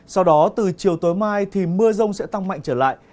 sau đó từ chiều tối mai thì mưa rông sẽ tăng mạnh trở lại